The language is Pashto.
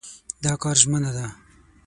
دا کار ژمنه ده.